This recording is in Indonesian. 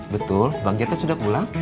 betul bagiatnya sudah pulang